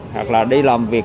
hoặc là đi làm việc